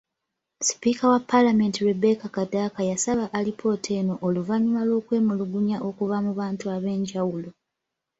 Sipiika wa Paalamenti Rebecca Kadaga yasaba alipoota eno oluvannyuma lw'okwemulugunya okuva mu bantu ab'enjawulo.